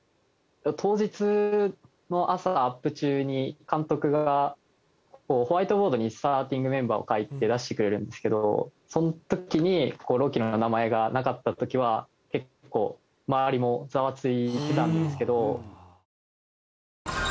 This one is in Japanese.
当日の朝アップ中に監督がホワイトボードにスターティングメンバーを書いて出してくれるんですけどその時に朗希の名前がなかった時は結構周りもザワついてたんですけど。